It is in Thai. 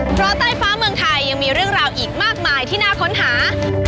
เพราะใต้ฟ้าเมืองไทยยังมีเรื่องราวอีกมากมายที่น่าค้นหา